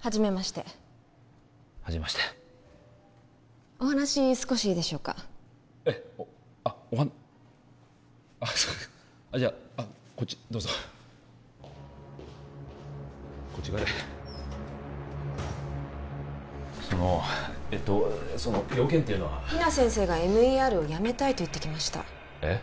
初めまして初めましてお話少しいいでしょうかえっあっおはあっそうかじゃあこっちどうぞこっち側へそのえっとその用件っていうのは比奈先生がＭＥＲを辞めたいと言ってきましたえっ？